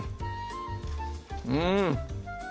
うん！